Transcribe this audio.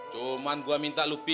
cuman gue minta lo pikirkan baik baik